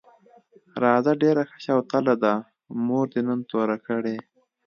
راځه ډېره ښه شوتله ده، مور دې نن توره کړې.